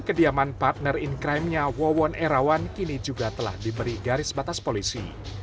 kediaman partner incrime nya wawon erawan kini juga telah diberi garis batas polisi